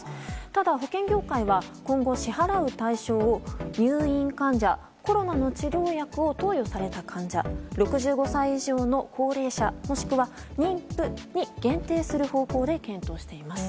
ただ保険業界は今後、支払う対象を入院患者コロナの治療薬を投与された患者６５歳以上の高齢者もしくは妊婦に限定する方向で検討しています。